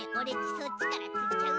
そっちからつっちゃう！